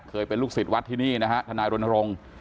เคยเป็นลูกศิษย์วัดที่นี่นะครับทนายรณรงค์